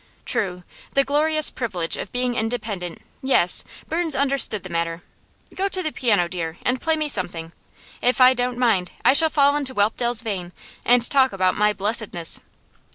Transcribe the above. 'True. "The glorious privilege of being independent" yes, Burns understood the matter. Go to the piano, dear, and play me something. If I don't mind, I shall fall into Whelpdale's vein, and talk about my "blessedness".